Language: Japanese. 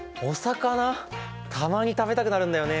たまに食べたくなるんだよね。